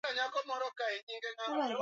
zinafahamu mabadiliko katika nchi za kiarabu